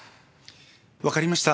わかりました。